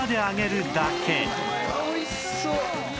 おいしそう！